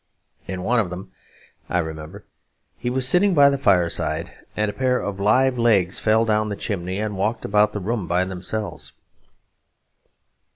In one of them, I remember, he was sitting by the fireside and a pair of live legs fell down the chimney and walked about the room by themselves.